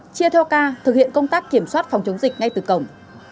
chia theo ca thực hiện công tác kiểm soát phòng chống dịch ngay từ cổng